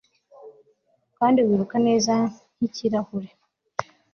Kandi wiruka neza nkikirahure